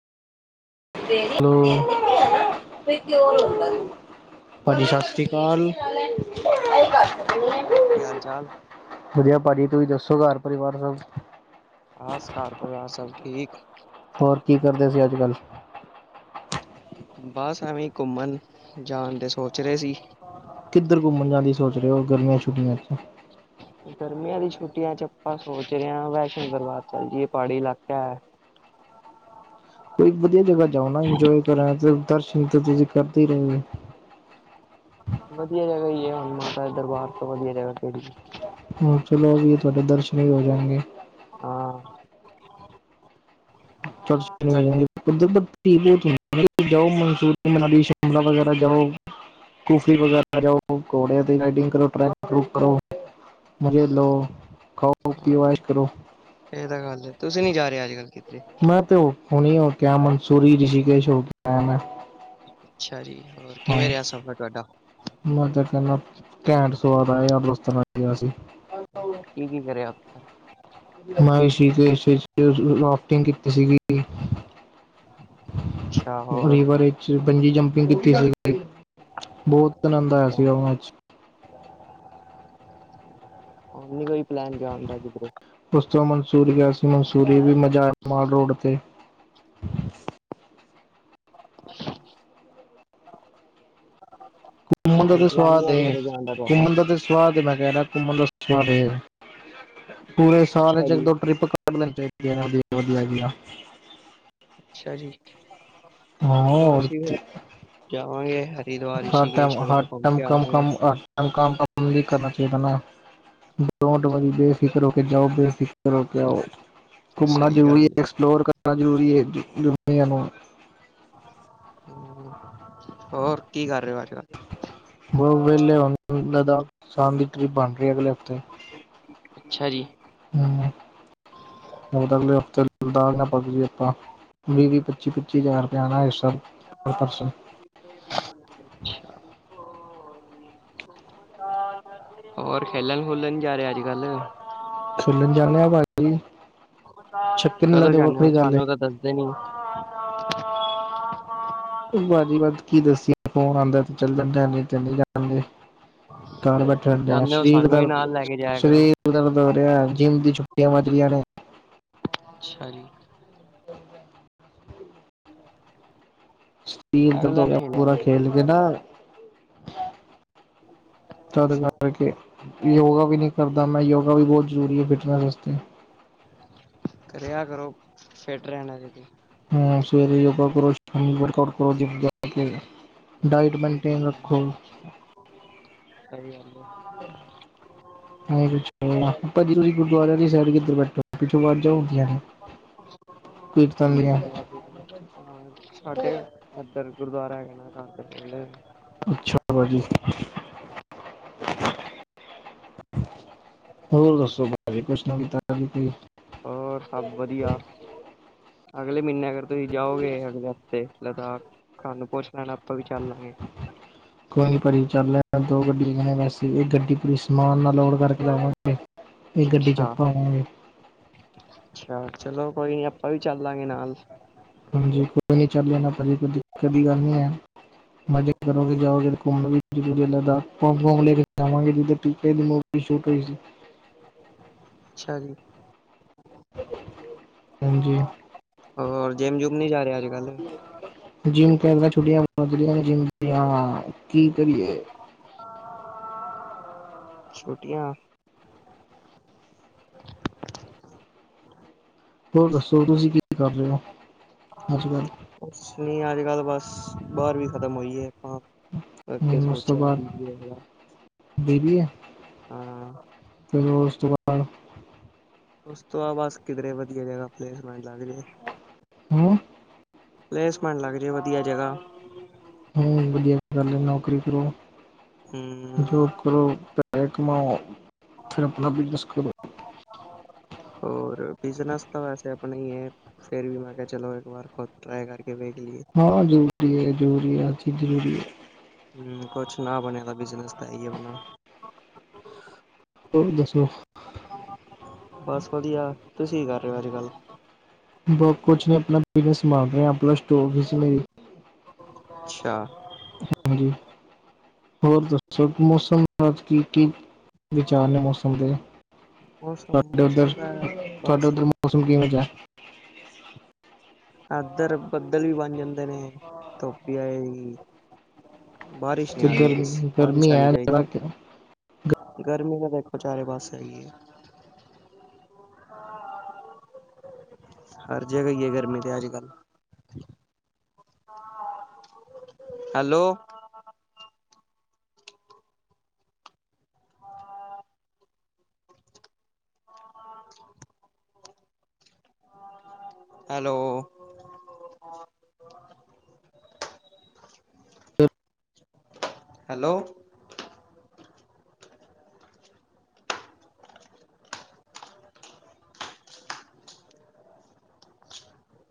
Hello [inaudible] ਪਾਜੀ ਸਤਿ ਸ਼੍ਰੀ ਅਕਾਲ। ਕੀ ਹਾਲ ਭਾਜੀ ਹੋਰ ਸੁਣਾਓ ਕੀ ਹਾਲ ਚਾਲ ਵਧੀਆ ਪਾਜੀ ਤੁਸੀਂ ਦੱਸੋ ਘਰ ਪਰਿਵਾਰ ਸਭ? ਆਸ ਘਰ ਪਰਿਵਾਰ ਸਭ ਠੀਕ। ਹੋਰ ਕੀ ਕਰਦੇ ਸੀ ਅੱਜ ਕੱਲ। ਬਸ ਐਵੇਂ ਘੁੰਮਣ ਜਾਣ ਦੇ ਸੋਚ ਰਹੇ ਸੀ। ਕਿੱਧਰ ਘੁੰਮਣ ਜਾਨ ਦੀ ਸੋਚ ਰਹੇ ਹੋ ਗਰਮੀਆਂ ਛੁੱਟੀਆਂ ਚ। ਗਰਮੀਆਂ ਦੀਆ ਛੁੱਟੀਆਂ ਚ ਆਪਾਂ ਸੋਚ ਰਹੇ ਆ ਵੈਸ਼ਨੋ ਦਰਬਾਰ ਚੱਲ ਜਾਈਏ ਪਹਾੜੀ ਇਲਾਕਾ। ਕੋਈ ਵਧੀਆ ਜਗ੍ਹਾ ਜਾਓ ਨਾ ਇੰਜੋਏ ਕਰ ਆਸ ਦਰਸ਼ਨ ਤੁਸੀਂ ਕਰਦੇ ਰਹੇ ਹੋ। ਵਧੀਆ ਜਗ੍ਹਾ ਈ ਏ ਹੁਣ ਮਾਤਾ ਦੇ ਦਰਬਾਰ ਤੋਂ ਵਧੀਆ ਜਗਾ ਕੇੜੀ। ਹਾਂ ਚਲੋ ਓਵੀ ਏ ਤੁਹਾਡੇ ਦਰਸ਼ਨ ਵੀ ਹੋ ਜਾਣਗੇ। ਹਾਂ। [unintelligible] ਮਨਸੂਰੀ, ਮਨਾਲੀ, ਸ਼ਿਮਲਾ ਵਗੈਰਾ ਜਾਓ। ਕੁਫੀ ਵਗੈਰਾ ਜਾਓ, ਘੋੜੇ ਤੇ ਰਡਿੰਗ ਕਰੋ, ਟਰੈਕਿੰਗ ਕਰੋ। ਮਜੇ ਲੋ, ਹਾਂ, ਖਾਓ-ਪੀਓ ਐਸ਼ ਕਰੋ। ਇਹ ਤਾਂ ਗੱਲ ਏ, ਤੁਸੀਂ ਨੀ ਜਾ ਰਹੇ ਅੱਜ-ਕੱਲ ਕਿਥੇ। ਮੈਂ ਤੇ ਹੋ ਹੁਣੀ ਹੋ ਕੇ ਆਯ ਮਨਸੂਰੀ, ਰਿਸ਼ੀਕੇਸ਼ ਹੋ ਕੇ ਆਯਾ ਮੈ। ਅੱਛਾ ਜੀ, ਹੋਰ ਕਿਵੇਂ ਰੇਹਾ ਸਫ਼ਰ ਤੁਆਡਾ। ਮੈਂ ਤੇ ਕੇਦਾ ਘੈਂਟ ਸੁਆਦ ਆਯਾ, ਯਾਰ ਦੋਸਤਾ ਨਾਲ ਗਿਆ ਸੀ। ਕੀ-ਕੀ ਕਰੇ ਓਥੇ? [unintelligible] ਰਾਫਟਿੰਗ ਕੀਤੀ ਸੀਗੀ। ਅੱਛਾ ਹੋਰ ਰੀਵਰ ਵਿੱਚ ਬੰਜੀ ਜੰਪਿੰਗ ਕੀਤੀ ਸੀ, ਬੋਤ ਆਨੰਦ ਆਯਾ ਸੀਗਾ ਉਹਨਾਂ ਚ ਹੁਣ ਨੀ ਕੋਈ ਪਲੈਨ ਜਾਨ ਦਾ ਕਿਧਰੇ? ਉਸ ਤੋਂ ਮਨਸੂਰੀ ਗਿਆ ਸੀ, ਮਨਸੂਰੀ ਵੀ ਮਜ਼ਾ ਮਾਲ ਰੋਡ ਤੇ। ਘੁੰਮਣ ਦਾ ਹੁਣ ਤੇ ਪਲੈਨ ਨੀ ਸਵਾਦ ਹੈ ਏ ਐ, ਕਿਧਰੇ ਜਾਣ ਤੁਹਾਡਾ ਘੁੰਮਣ ਦਾ ਤੇ ਸਵਾਦ ਏ, ਮੈਂ ਕੇਹ ਰਿਹਾ ਘੁੰਮਣ ਦਾ ਸਵਾਦ ਏ, ਪੂਰੇ ਸਾਲ ਅੱਛਾ ਚ ਇਕ ਜੀ ਦੋ ਟ੍ਰਿਪ [unintelligible] ਵਧੀਆ-ਵਧੀਆ ਅੱਛਾ ਜੀ, ਚਲੋ ਹੋਰ ਅਸੀਂ ਕੀ। ਫੇਰ ਜਾਵਾਂਗੇ। ਹਰਿਦੁਵਾਰ, ਰਿਸ਼ੀਕੇਸ਼ ਵਗੈਰਾ ਕੌਮ ਕੇ ਆਵਾਂਗੇ। ਮ ਕਰਨਾ ਚਾਹੀਦਾ ਨਾ ਡੋਂਟ ਵਾਰੀ ਬੇਫਿਕਰ ਹੋ ਕੇ ਜਾਓ ਬੇਫਿਕ ਕ ਹੋ ਕੇ ਆਓ, ਕੁਮਣਾ ਸਹੀ ਜ਼ਰੂਰੀ ਗੱਲ ਏ, ਐਕਸਪਲੋਰ ਕਰਨਾ ਜ਼ਰੂਰੀ ਏ, ਦਨੀਆਂ ਨੂੰ ਹੋਰ ਕੀ ਕਰ ਰਹੇ ਹੋ ਅੱਜ-ਕੱਲ? ਬ ਵੇਲੇ ਹੁਣ ਲਦਾਖ ਸ਼ਾਨ ਦੀ ਟ੍ਰਿਪ ਬਣ ਰਹੀ ਏ ਅਗਲੇ ਹਫ਼ਤੇ। ਅੱਛਾ ਜੀ। ਹੂੰ ਅਗਲੇ ਹਫ਼ਤੇ ਦਾ ਲਦਾਖ ਪਗ ਟਰਿਪ ਆ। ਵੀ-ਵੀ, ਪੱਚੀ-ਪੱਚੀ ਹਜ਼ਾਰ [inaudible] ਹੋਰ ਖੇਲਣ-ਖੁਲਣ ਨੀ ਜਾ ਰਿਹਾ ਅੱਜ-ਕੱਲ? ਖੇਲਣ ਜਾਨੇ ਆ ਪਾਜੀ। ਕਦੋ ਜਾਨੇ ਹੋ, ਗੱਲ ਹੈ ਸਾਨੂੰ ਤਾਂ ਦੱਸਦੇ ਨੀ। [inaudible] ਪਾਜੀ ਵਸ ਕੀ ਦੱਸੀਏ ਫੋਨ ਆਦਾ ਚੱਲ ਜਾਨੇ ਆ ਨਈ ਤੇ ਨਈ ਜਾਨਦੇ। ਕਾਰ ਬੈਠੇ ਹੇਣੇ ਆ, ਜਾਂਦੇ ਹੋ ਸਰੀਰ ਸਾਨੂੰ ਵੀ ਦਾਰ ਨਾਲ ਲੈ ਕੇ ਜਾਇਆ ਕਰੋ। ਸਰੀਰ ਦਰਦ ਹੋ ਰੇਨਾ, ਜਿੰਮ ਦੀ ਛੁੱਟੀਆਂ ਵਜ ਰਹੀਆਂ ਨੇ ਅੱਛ ਜੀ ਰੈਗੂਲਰ ਲ ਖੇਲਿਆ ਪੂਰਾ ਕਰੋ। ਖੇਲ ਕੇ ਨਾ [unintelligible] ਤਦ ਕਰਕੇ ਯੋਗਾ ਵੀ ਨਹੀਂ ਕਰਦਾ ਮੈਂ ਯੋਗਾ ਵੀ ਬਹੁਤ ਜ਼ਰੂਰੀ ਹੈ ਫਿਟਨੈਸ ਵਾਸਤੇ। ਕਰਿਆ ਕਰੋ ਫਿੱਟ ਰਹਿਣਾ ਜੇ ਤੇ। ਹਮ ਸਵੇੋ ਜ ਕੇ [unintelligible] ਡਾਇਟ ਹੂੰ, ਮੇਨਟੇਨ ਰੱਖੋ। ਸਹੀ ਗੱਲ ਆ। ਛ ਤੁਸੀਂ ਗੁਰਦੁਆ ਸਾਈਡ ਬੈਠੋ [unintelligible] ਹੁੰਦੀਆਂ ਨੇ ਕੀਰਤਨ ਦੀਆਂ ਗੁਰਦੁਆਰੇ ਹਾਂ ਸਾਡੇ ਇਧਰ ਗੁਰਦੁਆਰਾ ਹੈਗਾ ਨਾ ਘ ਅੱਛਾ ਬਾਅ ਜੀ। ਹੋਰ ਦੱਸੋ ਬਾਰੇ ਕੁੱਛ ਨਾ ਕੀਤਾ [inaudible] ਹੋਰ ਸਭ ਵਧੀਆ। ਅਗਲੇ ਮਹੀਨੇ ਅਗਰ ਤੁਸੀਂ ਜਾਓਗੇ ਅਗਲੇ ਹਫ਼ਤੇ ਲਦਾਖ ਸਾਨ ਨੂੰ ਪੁੱਛ ਲੈਣਾ ਆਪਾਂ ਵੀ ਚੱਲ ਲਾਂਗੇ। ਕੋਈ ਨੀ ਭਾਜੀ ਚੱਲ ਦੋ ਗੱਡੀ ਵੈਸੇ ਇਹ ਗੱਡੀ ਪੂਰੀ ਸਮਾਨ ਨਾਲ ਲੋੜ ਕਰਕੇ ਲਵਾਂਗੇ। ਇਹ ਗੱਡੀ ਚ ਅੱਛਾ ਅੱਪਾ ਹੋਗੇ। ਅੱਛਾ ਚਲੋ ਕੋਈ ਨੀ ਆਪਾਂ ਵੀ ਚੱਲ ਲਾਂਗੇ ਨਾਲ। ਹਾਂਜੀ ਕੋਈ ਨੀ ਚੱਲ ਲੈਣਾ ਪਾਜੀ ਤੁਸੀ। ਕਦੀ ਗੱਲ ਨੀ ਹੈ ਮਜ਼ੇ ਕਰੋਗੇ ਜਾਓਗੇ ਘੁੰਮਣ ਵੀ। ਲ ਲੈ ਕੇ ਜਾਵਾਂਗੇ ਜ ਦੀ ੂਟ ਹੋਈ ਸੀ [inaudible] ਅੱਛਾ ਜੀ। ਹਾਂਜੀ ਹੋਰ ਜਿੰਮ ਜੁਮ ਨੀ ਜਾ ਰਿਹਾ ਅੱਜ ਕੱਲ। ਜਿੰਮ ਕ ਛੁੱਟੀਆਂ ਜਿੰਮ ਹਾਂ ਕੀ ਕਰੀਏ। [inaudible] ਛੋਟੀਆਂ ਹੋਰ ਦੱਸੋ ਤੁਸੀਂ ਕੀ ਕਰ ਰਹੇ ਹੋ ਅੱਜ ਕੱਲ। ਕੁਛ ਨੀ ਅੱਜ ਕੱਲ ਬਸ ਬਾਹਰ ਵੀ ਖਤਮ ਹੋਈਏ ਆਪਾਂ। ਹ ਅੱਗੇ ਉਸ ਤੋਂ ਸੋਚਿਆ ਬਾਅਦ ਬੀ ਬੀ ਏ ਬੇਬੀ ਹੈ। ਹੂੰ ਫਿਰ ਉਸ ਤੋਂ ਬਾਅਦ [unintelligible] ਉਸਤ ਆ ਬਸ ਕਿਧਰੇ ਵਧੀਆ ਜਗ੍ਹਾ ਪਲੇਸਮੈਂਟ ਲੱਗ ਜੇ। ਹੂੰ ਪਲੇਸਮੈਂਟ ਲੱਗ ਜੇ ਵਧੀਆ ਜਗ੍ਹਾ। ਹੂੰ ਵਧਆ ਨੌਕਰੀ ਕਰੋ ਹਮ ਜੋ, [unintelligible] ਕਰੋ ਪੈਸੇ ਕਮਾਓ ਫਿਰ ਆਪਣਾ ਬਿਜਨਸ ਕਰੋ। ਹੋਰ ਬਿਜਨਸ ਤਾਂ ਵੈਸੇ ਆਪਣਾ ਹੀ ਹੈ। ਫੇਿਰ ਵੀ ਮੈਂ ਕਿਹਾ ਚਲੋ ਇੱਕ ਵਾਰ ਖੁਦ ਟਰਾਈ ਕਰਕੇ ਵੇਖ ਲਈਏ। ਹਾਂ ਜ਼ਰੂਰੀ ਹੈ ਜ਼ਰੂਰੀ ਹੈ ਹਰ ਚੀਜ਼ ਜ਼ਰੂਰੀ ਹੈ। ਕੁਛ ਨਾ ਬਣੇ ਦਾ ਬਿਜਨਸ ਤਾਂ ਹੈ ਏ ਆਪਣਾ। ਹੋਰ ਦੱਸੋ। ਬਸ ਵਧੀਆ ਤੁਸੀਂ ਕਰ ਰਹੇ ਹੋ ਅੱਜ ਕੱਲ। ਬਹੁ ਕੁਛ ਨੀਂ ਆਪਣਾ ਬਿਜਨਸ ਸੰਭਾਲ ਰਹੇ ਹਾਂ ਪਲੱਸ ਟੂ ਹੋਗੀ ਸੀ ਮੇਰੀ। ਅੱਛਾ ਹਾਂਜੀ ਹੋਰ ਦੱਸੋ ਮੌਸਮ ਕੀ ਕੀ [unintelligible] ਵਿਚਾਰ ਨੇ ਮੌਸਮ ਦੇ ਮੌਸਮ ਤੁਹਾਡੇ ਉੱਧਰ ਮੌਸਮ ਦਾ ਤੁਹਾਡੇ ਬਸ ਉਧਰ ਮੌਸਮ ਕਿਵੇਂ ਜਿਹਾ? ਇਧਰ ਬੱਦਲ ਵੀ ਬਣ ਜਾਂਦੇ ਨੇ ਧੁੱਪ ਵੀ ਆਏ ਜ ਬਾਰਿਸ਼ ਨਹੀਂ ਤੇ ਆ ਰਹੀ ਬਸ ਗਰਮੀ ਬਾਰਿਸ਼ ਗਰਮੀ ਆਣੀ ਹੈ ਜ਼ਿਆਦਾ ਚਾਹੀਦੀ। ਕਿ ਗਰਮੀ ਦੇ ਬਚਾਰੇ ਪਾਸ ਸਹੀ ਹੈ। ਹਾਂ, ਹਰ ਜਗ੍ਹਾ ਹੀ ਹੈ ਗਰਮੀ ਤੇ ਅੱਜ ਕੱਲ ਹੈਲੋ ਹਾਂ, ਹਾਂ ਹੈਲੋ ਹੈਲੋ [unintelligible]